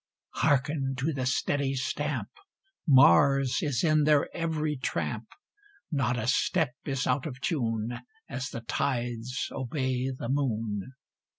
Hearken to the steady stamp! Mars is in their every tramp! Not a step is out of tune, As the tides obey the moon!